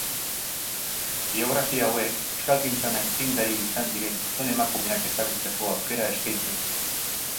Biografia hauek euskalgintzan aitzindari izan diren gizon-emakumeak ezagutzeko aukera eskaintzen dute.